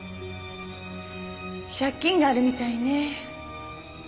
借金があるみたいね。